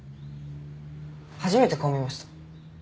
初めて顔見ました。